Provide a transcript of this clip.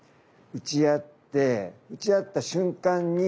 打ち合って打ち合った瞬間に中心をとる。